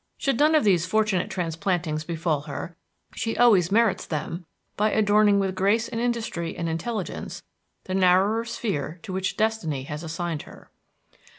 Should none of these fortunate transplantings befall her, she always merits them by adorning with grace and industry and intelligence the narrower sphere to which destiny has assigned her.